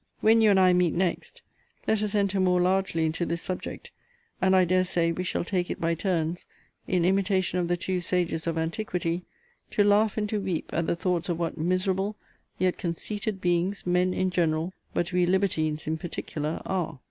When you and I meet next, let us enter more largely into this subject: and, I dare say, we shall take it by turns, in imitation of the two sages of antiquity, to laugh and to weep at the thoughts of what miserable, yet conceited beings, men in general, but we libertines in particular, are.